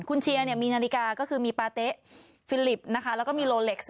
คุณเชียร์มีนาฬิกาก็คือมีปาเต๊ะฟิลิปนะคะแล้วก็มีโลเล็กซ์